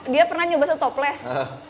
dia pernah nyoba setoples